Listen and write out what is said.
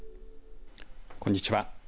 こんにちは。